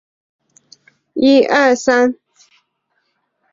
福建浦城人。